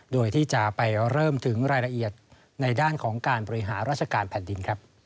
โดยที่จะไปเริ่มถึงรายละเอียดในด้านของการบริหารราชการแผ่นดิน